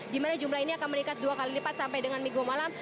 di mana jumlah ini akan meningkat dua kali lipat sampai dengan minggu malam